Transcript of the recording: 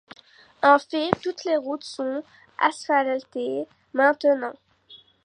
En fait, toutes les routes sont asphaltées maintenant.